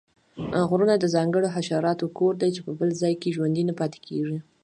غرونه د ځانګړو حشراتو کور دی چې په بل ځاې کې ژوندي نه پاتیږي